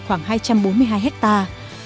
khoảng hai trăm bốn mươi hai hectare